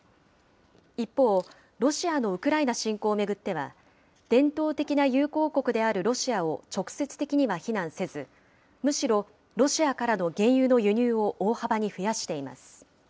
一方、ロシアのウクライナ侵攻を巡っては、伝統的な友好国であるロシアを直接的には非難せず、むしろロシアからの原油の輸入を大幅に増やしています。